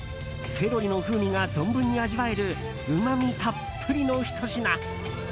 セロリの風味が存分に味わえるうまみたっぷりの一品。